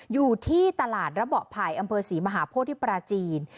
อยู่ที่ตลาดระเบาะไผ่อำเภอศรีมหาโพธิที่ปราจีน